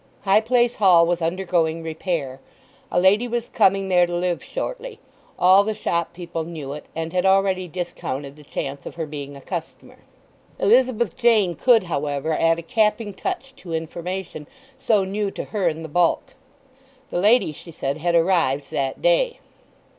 High Place Hall was undergoing repair; a lady was coming there to live shortly; all the shop people knew it, and had already discounted the chance of her being a customer. Elizabeth Jane could, however, add a capping touch to information so new to her in the bulk. The lady, she said, had arrived that day.